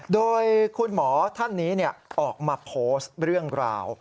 โดยคุณหมอท่านนี้ออกมาโพสต์เรื่องราว